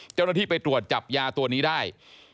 เจ้าหน้าที่ไปตรวจจับยาตัวนี้ได้